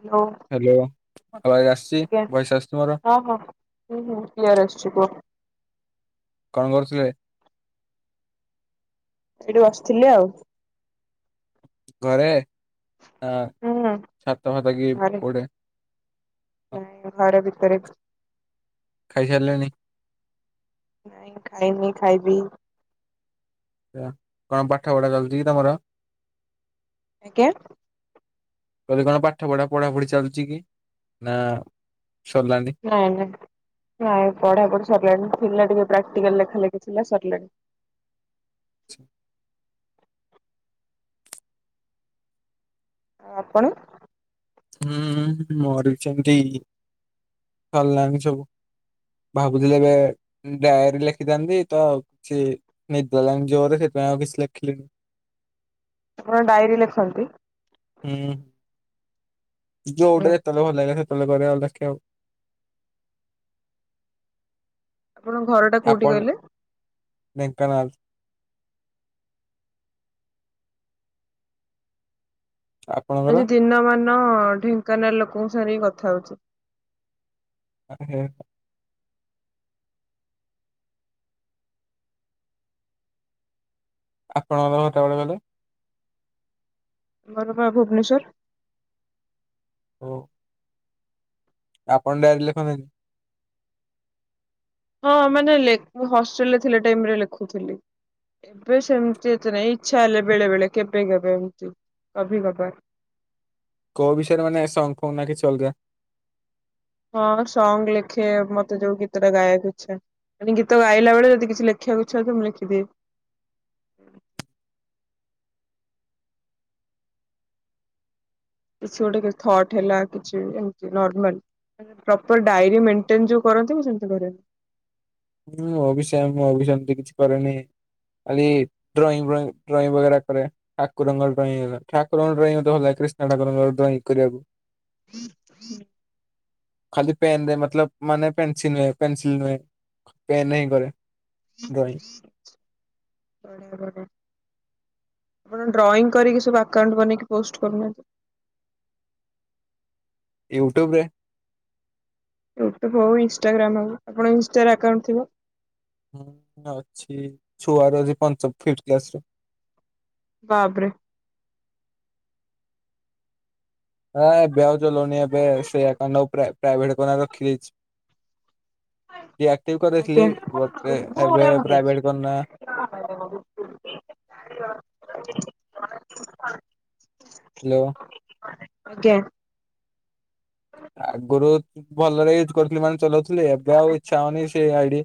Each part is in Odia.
ହ୍ୟାଲୋ ହ୍ୟାଲୋ ଆବାଜ ଆସିଛି ଆଜ୍ଞା ଭଏସ ଆସୁଛି ମୋର ହଁ ହଁ ମୁଁ କିଆରି ଆସିଛି କୁହ। କଣ କରୁଥିଲେ? ସେଇଠି ବସିଥିଲି ଆଉ। ଘରେ ଆ ହୁଁ ହୁଁ ଛାତ୍ ଭାତ କି ଘରେ କୋଉଟା। ନାଇଁ [unintelligible] ଖାଇସାରିଲେଣି। ନାଇଁ ଖାଇ ନି ଖାଇବି। କଣ ପାଠ ପଢ଼ା ଚାଲିଛି କି ତମର? ଆଜ୍ଞା ଯଦି କଣ ପାଠ ପଢା ପଢାପଢି ଚାଲୁଛି କି ନା? ସରିଲାଣି ନାଇଁ ନାଇଁ ନାଇଁ ପଢ଼ା ପଢି ସରିଲାଣି। ପା ଟିକେ ପ୍ରାକ୍ଟିକାଲ ଲେଖା ଲେଖିଥିଲା ସରିଲାଣି। [unintelligible] ଆ କଣ ହୁଁ ମୋର ବି ସେମିତି ସରିଲାଣି ସବୁ ଭାବୁଥିଲେ ଏବେ ଡାଏରୀ ଲେଖିଥାନ୍ତି ତ କିଛି ନିଦ ଲ ଜୋରେ ସେଥିପାଇଁ ଆଉ କିଛି ଲେଖିଲନି। ଆପଣ ଡାଏରୀ ଲେଖନ୍ତି? ହୁଁ ବଢିଆ ଯୋଉଟା ଯେତେବେ ଭଲ ଲାଗିଲା। [unintelligible] ଆପଣଙ୍କ ଘର ଟା କୋଉଠି କହିଲେ? ଢେଙ୍କାନାଲ ଆପଣଙ୍କର ସେ ଦିନ ମାନ ଢେଙ୍କାନାଳ ଲୋକଙ୍କ ସାଙ୍ଗରେ ହି କଥା ହଉଚି। ହ ହ ଆପଣ ଘର କେତେବାଟ କହିଲେ? ମୋର ବା ଭୁବନେଶ୍ୱର ହଉ ଆପଣ ଡାରି ଲେଖନ୍ତନି ହଁ ମାନେ ମୁଁ ହଷ୍ଟେଲରେ ଟାଇମ ରେ ଲେଖୁଥିଲି ଏବେ ସେମତି ଏତେ ନାଇଁ ଇଚ୍ଛା ହେଲେ ବେଳେ ବେଳେ କେବେ କେବେ ଏମତି କ କବାର କଉ ବିଷୟରେ ମାନେ ସାଙ୍ଗ ଫଙ୍ଗ ନକି ଚଲଯ ହଁ ସଙ୍ଗ ଲେଖେ ମତେ ଯୋଉ ଗୀତ ଟା ଗାଇବାକୁ ଇ୍ଛା ଗୀତ ଗାଇଲା ବେଳେ ଯଦି କିଛି ଲେଖିବାକୁ ଇଚ୍ଛା ତ ମୁଁ ଲେଖିଦିଏ କିଛି ଗୋଟେଥଟ ହେଲା କିଛିମାଡର କରନ୍ତି ମୁ ସେି ହଁଁ ଅଭିଷ ମୁଁ ଅଷୟ ଏତି କିଛି କରେନି ଖାଲି ଡ୍ରଇଂ ଡ୍ରଇଂେ କରେ ଠାକୁରଙ୍କ ଡ୍ରଇଂ ହେଲା ଠାକୁରଙ୍କ ଡ୍ରଇଂ ହେଲା କ୍ରିଷ୍ଣ ଠାକୁରଙ୍କର ଡ୍ରଇଂ କରିବାକୁ ହଁ ହୁଁ ଖାଲି ପେନ ରେ ମ ମାନେ ପେନସ ନୁହଁ ପେନସିଲ ନୁହେଁ ପେନ୍ ହିଁ କରେ ଡ୍ରଇଂ ଆଣ ଡ୍ରଇ କରିକି ସୁଟେଇକୁନାହାନ୍ତି ୟୁଟ୍ୟୁବରେ ୟୁଟ୍ୟୁବ ହଉ ଇନଷ୍ଟାଗ୍ରାମ ହଉ ଆପଣଙ୍କ ଇନଷ୍ଟ ଆକାଉଣ୍ଟ ଥିବ ହୁଁ ଅଛି ଛୁଆର ଅଛି ପଞ୍ଚ ଫିଥ କ୍ଲାସ ର ବାପରେ ହଁ ବ ଲନୀ ଏବେ ସେଇ କଣ୍ଡ ପ୍ରାୟ ପ୍ରାଇଭେଟ କାର ଖିଲିଛି ବଟ ଏବେ ପ୍ରାଇଭେଟ କନା ଆ ହ୍ୟାଲୋ ଆଜ୍ଞ ଆଗରୁ ଭଲରେ ୟୁଜ କରୁଥିଲି ମାନେ ଚଲଉଥିଲଥିଲେ ଏବେ ଆଉ ଇଚ୍ଛା ହଉନି ସେ ଆଇଡି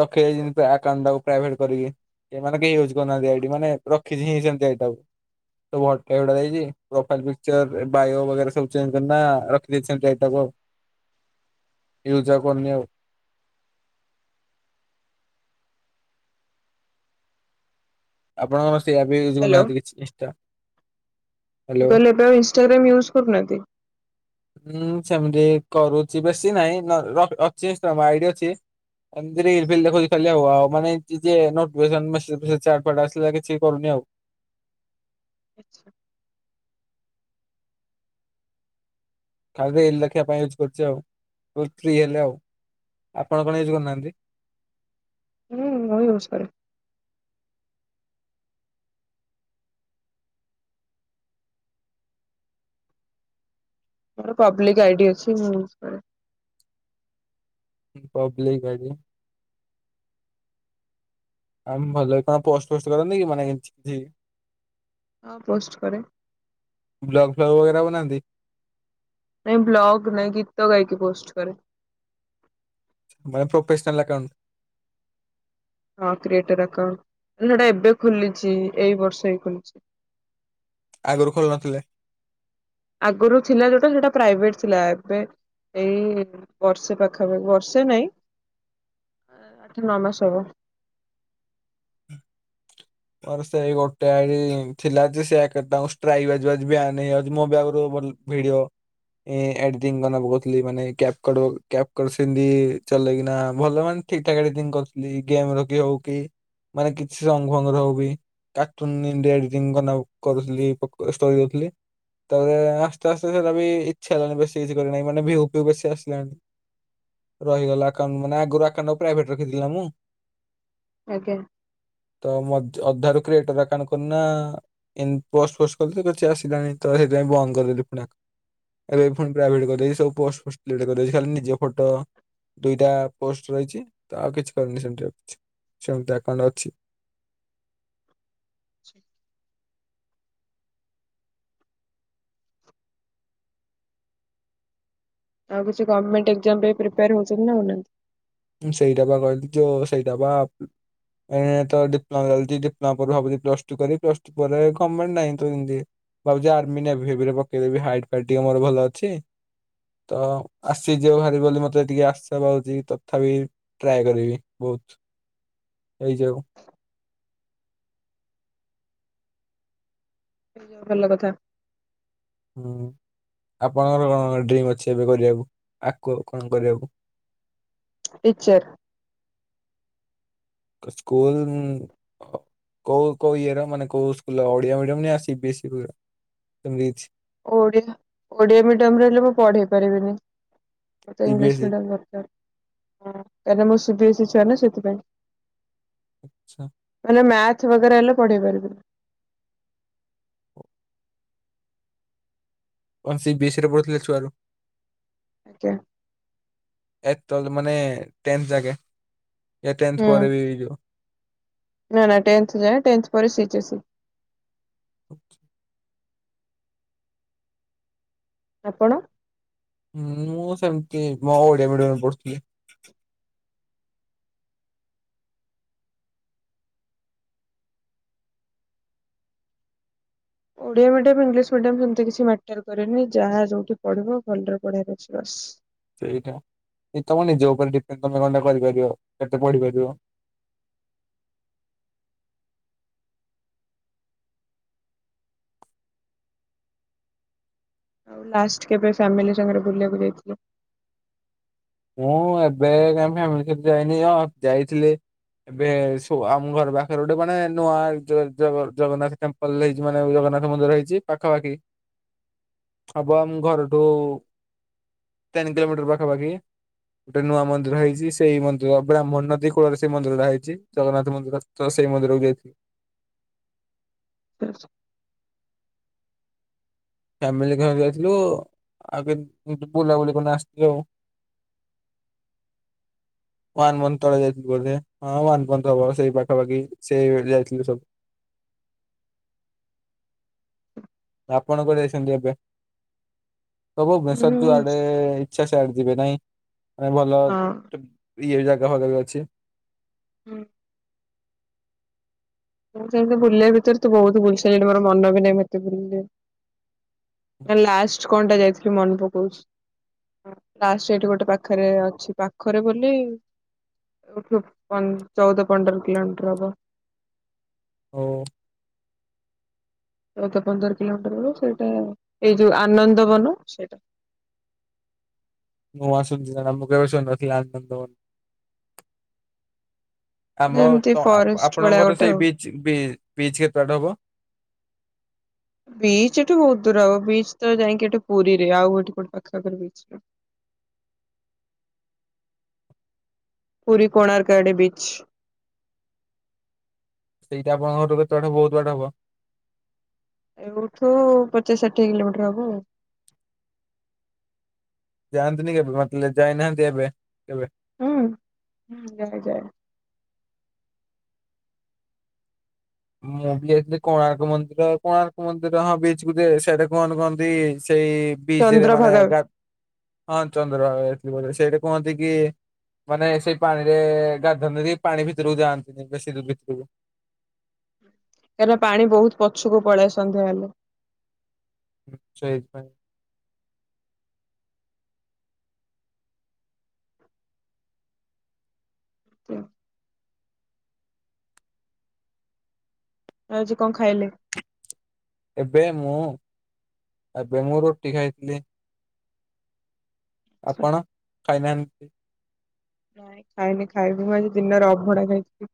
ରଖିାଇ ଆକାଉଣ୍ଟ ଟାକୁ ପ୍ରାଇଭେଟ କରିକି ଏମାନେ କେହି ହଉଛି ଦିି ମାନେ ରିଛିଇାୁଛିଲର ବାୟ ସବୁ ରିସେଣ୍ଟଇଟକୁ ୟୁଜ କନ୍ୟ ଆପଣଙ୍କ ସେଇୟପ ୟଜ୍ୁନାହାନ୍ତି କିଛିିନିଟା କହିଲେ ଏପବେ ଆଉ ଇନ୍ଷ୍ଟାଗ୍ରାମ ୟୁଜ କରୁନା ହଁ ସେମିତି କରୁଛି ବେଶୀ ନହିଁ ଅ ଆଇ ଅଛିମତି ଫୋ ଖ ହଉ ଆଉ ମାନେ ଟେ ଆସିଲେ ଯ କିଛି କରୁନି ଆଉ ଆଚ୍ଛା ଖା ଦେେଖିବା ପାଇଁ ୟୁଜ୍ କରୁଛି ଆଉ ଫ୍ରି ହେଲେ ଆଉ ଆପଣ କଣ ୟୁଜ କରୁନାହାନ୍ତି ହୁଁ ଓଇ ହଉଷରେ ପବ୍ଲିକ ଆଇଡି ଅଛି ମୁଁ ପବ୍ଲିିକ ଗଡ଼ି ଆ ଭଲ କଣ ପୋଷ୍ଟ ଫୋଷ୍ଟ କରନ୍ତି କି ମାନେ କି ହଁ ପୋଷ୍ଟ କରେ ହାନ୍ତି ନହିଁ ବ୍ଲଗ ନହିଁ ଗୀତ ଗାଇକି ପୋଷ୍ଟଷ୍ଟ କରରେ ଆମରେ ପ୍ରୋଫେସଣଲ ଅକାଉଟ ହଁ କ୍ରିଏଟକ ନଟା ଏବେ ଖୋଲିଛି ଏଇ ବର୍ଷ ହଇ ଖୋଲିଛି ଆଗରୁ ଖୋଲ ନଥିଲେ ଆଗରୁ ଥିଲା ଯୋଉଟା ସେଟା ପ୍ରାଇଭେଟ ଥିଲା ଏବେ ଏଇ ବର୍ଷେ ପାଖାପାଖ ବର୍ଷେ ନହିଁ ଆଠ ନଅ ମାସ ହବ ମୋର ସେଇ ଗୋଟେ ଥିଲା ଯେ ସେଙ୍କୁ ଷ୍ଟ୍ରାଇକ୍ ବାିବ ମୋ ବି ଆଗରୁ ଭିଡିଓ ଏଡିଟିଂକୁହୁଥିଲି ମାନେ୍ୟାପ୍ୟାପମତି ଚଲେେଇକିନା ଭଲ ମାନେ ଠିକ ଠା ଏଡି କରୁଥିଲି ଗେମ ରଖି ହଉ କି ମାନେ କିଛି ଭଙ୍ଗର ହଉ ବି କାର୍ଟୁନ ଇଡିଆ ଏଡିଟିଂ କରୁଥିଲିୋ ଦେଉଥିଲି ତାପରେ ଆସ୍ତେ ଆସ୍ତେ ସେଟା ବି ଇଚ୍ଛା ହେଲାଣି ବେଶୀ କିଛି କରିନାହି ମାନେ ଭିଉ ଫିଉ ବେଶୀ ଆସିଲାଣି ରହିଗଲି ମାନେ ଆଗରୁ ଆକାଉଣ୍ଟ ଆଗରୁ ପ୍ରାଇଭେଟ ରଖିଥିଲା ମୁଁ ଆଜ୍ଞା ତ ଅଧାରୁ କ୍ରିଏଟର ଆକାଉଣ୍ଟ କରୁ ନା ଇନ୍ତି ପୋଷ୍ଟ ପୋଷ୍ଟ କରିଦେଲି କିଛି ଆସିଲାଣି ତ ସେଥିପାଇଁ ବନ୍ଦ କରିଦେଲି ପୁଣି ଏବେ ଫୁଣି ପ୍ରାଇଭେଟ କରିଦେଇଛି ସବୁ ପଟ କରିଦେଇଛି ଖାଲି ନିଜ ଫଟୋ ଦୁଇଟା ପୋଷ୍ଟ ରହିଛି ତ ଆଉ କିଛି କରିନି ସେମିତି ଆଉ କିଛି ସେମିତି ଆକାଉଣ୍ଟ ଅଛି ଠିକ ଆଉ କିଛି ଗଭର୍ଣମେଣ୍ଟ ଏକ୍ସାମ ପ୍ରିପେୟାର ହଉଛନ୍ତି ନା ହୋଇନାହାନ୍ତି ସେଇଟା ବା କହିଲି ଯେଉ ସେଇଟା ବା ତ ଡିପ୍ଲୋମା ଚାଲିଛି ଡିପ୍ଲୋମା ପରେ ଭାବୁଛି ପ୍ଲସ୍ ଟୁ କରି ପ୍ଲସ ଟୁ ପରେ ଗଭର୍ଣ୍ଣମେଣ୍ଟ ନାହିଁ ତ ଏମତି ଭାବୁଛି ଆର୍ମି ନାହି ଭିେଭିରେ ପକେଇଦେବି ହାଇଟ୍ ଫ ଟିକେ ମୋର ଭଲ ଅଛି ତ ଆସି ଯ ଭହାରିବି ବୋଲି ମତେ ଟିକିେ ଆଶା ପାଉଛି ତଥାପି ଟ୍ରାଏ କରିବି ବହୁତ ଏଇଯଉ ଭଲ କଥା ହୁଁ ଆପଣଙ୍କର କଣ କଣ ଡ୍ରିମ୍ ଅଛି ଏବେ କରିବାକୁ ଆକୁ କଣ କରିବାକୁ ଟିଚର ସ୍କୁଲ କୋଉ କୋଉ ଇଏର ମାନେ କୋଉ ସ୍ ଓଡିଆ ମିଡିମ ନା ସିବି ଆସି ଏମିତି କିଛି ଓଆଶା ଓଡିଆ ମିଡିୟମରେ ହେଲେ ମୁଁ ପଢେଇ ପାରିବିନି ମତେ ସି ବି ଏସ୍ ଇଂଲିଶ ଇ ମିଦୀୟମଦରକାର ହ କାହିଁକ ମୁଁ ସି ଭି ଏସି ଛୁଆ ନା ସେଥିପାଇଁ ଆଚ୍ଛା ମିଥ୍ ବାଗେରା ହେଲେ ପଢେଇ ପାରିବ ସି ବି ଏସ ରେ ପଢ଼ଥିଲେ କି ଛୁଆ ରୁ ଆଜ୍ଞା ଏ ମାନେ ଟେନ୍ଥ ଜାଗେ ଏ ହୁଁ ଟେନ୍ଥ ପରେ ବି ଏଇ ଜୋ ନା ନା ଟେନ୍ଥ ଯାଏ ଟେନ୍ଥ ପରେ ସି ଏଚ ସି ଆଛା ଆପଣ ହଁ ମୁଁ ସେମିତି ମୋ ଓଡିଆ ମିଡିମରେ ପଢୁଥିଲି ଓଡିଆ ମିଡିୟମ ଇଂଲିଶ ମିଡିମ ସେମିତି କିଛି ମଟର କରେନି ଯାହା ଯୋଉଠି ପଢିବ ଭଲରେ ପଢାର ଅଛି ବସ୍ ସେଇଟା ତମ ନିଜ ଉପରେ ଡିପେଣ୍ଟ ତମେ କଣଟ କରିପାରିବ କେତେ ପଢିପାରିବ ଆଉ ଲାଷ୍ଟ କେବେ ଫ୍ୟାମିଲି ସାଙ୍ଗରେ ବୁଲିବାକୁ ଯାଇଥିଲି ମୁଁ ଏବେ କାଁ ଫ୍ୟାମିଲି ସତ ଯାଇନି ଆ ଯାଇଥିଲି ଏବେ ଆମ ଘର ପାଖରେ ଗୋଟେ ମାନେ ନୂଆ ଜଗନ୍ନାଥ ଟେମ୍ପଲ୍ ହେଇଛି ମାନେ ଜଗନ୍ନାଥ ମନ୍ଦିର ହେଇଛି ପାଖାପାଖି ହବ ଆମ ଘରଠୁ ତିନି କିଲୋମିଟର ପାଖାପାଖି ଗୋଟେ ନୂଆ ମନ୍ଦିର ହେଇଛି ସେଇ ମନ୍ଦିର ବ୍ରାହ୍ମଣ ନଦୀ କୂଳରେ ସେଇ ମନ୍ଦିରଟା ହେଇଛି ଜଗନ୍ନାଥ ମନ୍ଦିର ତ ସେଇ ମନ୍ଦିରକୁ ଯାଇଥିଲି ଆ ଫାମିଲି ଯାଇଥିଲୁ ଆଗ ବୁଲାବୁଲି କରି ଆସିଥିଲୁ [unintelligible] ସେଇ ପାଖାପାଖି ସେଇ ଯାଇଥିଲୁ ସବୁ ଆପଣ କୋଠି ଯାଇଛନ୍ତି ଏବେ ସବୁ ଭୁବନେଶ୍ୱର ଯୁ ମୁଁ ଆଡେ ଇଛା ସେଆଡେ ଯିବେ ନାଇଁ ଆ ଭଲ ହଁ। ଇ ଏ ଜାଗା ହଛି ହୁଁ। ସେମତି ବୁଲିବା ଭିତରେ ତୁ ବହୁତ ବୁଲସ ମୋର ମନ ବି ନାହିଁ ମତେ ବୁଲ ଲାଷ୍ଟ କଣଟା ଯାଇଥିଲି ମନେ ପକଉଛିା ସେଠି ଗୋଟେ ପାଖରେ ଅଛି ପାଖରେ ବୋଲି ଚଉଦ ପନ୍ଦର କିଲୋମିଟର ହବ। ହ। ଚଉଦ ପନ୍ଦର କିଲୋମିଟର ବେଳ ସେଇଟା ଏଇ ଯୋଉ ଆନନ୍ଦ ବନ ସେଇଟା ମୁଁ ଆସୁନ୍ଦ ଆ ମୁ କେବଛୁ ଆନନ୍ଦନ ଗୋଟେ ଆମ ଏମିତି ତ ଫରେଷ୍ଟ ଭଳିଆ ଆପଣଙ୍କର ଗୋଟେ ଆଉ। ସେଇ ବିଚ ବିଚ କେତେ ବାଟ ହବ। ବିଚ ଠୁ ବହୁତ ଦୂର ହବ ବିଚ ତ ଯାଇକି ଏଠି ପୁରୀରେ ଆଉ ଏଠି କୋଉଠି ଆଖପାଖରେ ବିଚ ନାଇ ପୁୁରୀ କୋଣାର୍କ ଆଡେ ବୀଚ ସେଇଟା ଆପଣଙ୍କ ଘଠ କେତେବାଟ ବହୁତ ବାଡ ହବ? ଏଠୁ ପଚିଶ ଷାଠିଏ କିଲୋମିଟର ହବ ଆଉ। ଯାଆନ୍ତିନି କେବେ ମତ ଯାଇନାହାନ୍ତି ଏବେ କେବେ ହୁଁ ଯାଏ ଯାଏ ମୁଁ ବି ଯାଇଥିଲି କୋଣାର୍କ ମନ୍ଦିର, କୋଣାର୍କ ମନ୍ଦିର ହଁ ବିଚ କୁ ଯେ ସେଠେ କଣ କୁହନ୍ତି ସେଇ ବୀଚ ରେ ମାନେ ଚନ୍ଦ୍ରଭାଗା ଗା ହଁ ଚନ୍ଦ୍ରଭାଗା [unintelligible] ସେଇଠି କୁହନ୍ତି କି ମାନେ ସେଇ ପାଣିରେ ଗାଧାନ୍ତି ଯଦି ପାଣି ଭିତରକୁ ଯାଆନ୍ତିନି ବେଶୀ ଦୂ ଭିତରକୁ କାଇଁ ନା ପାଣି ବହୁତ ପଛକୁ ପଳେଏ ସନ୍ଧ୍ୟା ହେଲେ ସେଇଥି ପାଇଁ ତ ଆଜି କଣ ଖାଇଲେ? ଏବେ ମୁଁ ଏବେ ମୁଁ ରୁଟି ଖାାଇଥିଲି। ଆପଣ ଖାଇନାହାନ୍ ନାଇଁ ଖାଇନି ଖାଇବି ମୁଁ ଆଜି ଦିନରେ ଅଭଡ଼ା ଖାଇଥିଲି।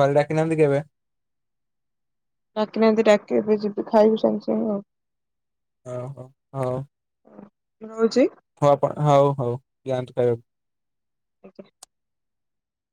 ଘରେ ଡାକିନାହାନ୍ତି କେବେ? ଡାକି ନାହାନ୍ତି ଡାକିବେ ଏବେ ଯିବୁ ଖାଇବୁ ସଙ୍ଗ ସଙ୍ଗ ଆଉ। ଓହୋ ହଉ। ରହୁଚି। ହଉ ଆପଣ ହଉ ହଉ ଯଆନ୍ତୁ ଖାଇବାକୁ। [inaudible]